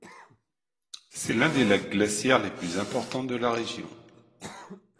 C'est l'un des lacs glaciaires les plus importants de la région.